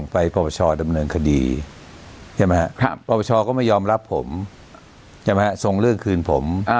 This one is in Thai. ปรปชชก็ไม่ยอมรับผมส่งเรื่องคืนผม